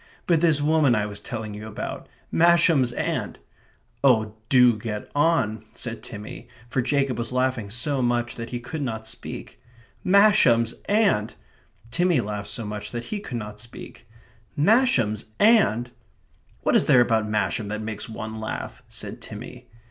"But this woman I was telling you about Masham's aunt " "Oh, do get on," said Timmy, for Jacob was laughing so much that he could not speak. "Masham's aunt..." Timmy laughed so much that he could not speak. "Masham's aunt..." "What is there about Masham that makes one laugh?" said Timmy.